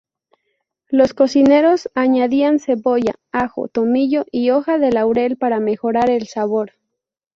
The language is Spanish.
Los cocineros añadían cebolla, ajo, tomillo y hoja de laurel para mejorar el sabor.